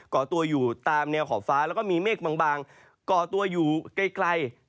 ่อตัวอยู่ตามแนวขอบฟ้าแล้วก็มีเมฆบางก่อตัวอยู่ไกล